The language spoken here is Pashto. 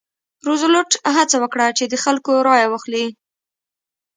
روزولټ هڅه وکړه چې د خلکو رایه واخلي.